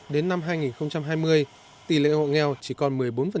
đến năm hai nghìn hai mươi tỷ lệ hộ nghèo chỉ còn một mươi bốn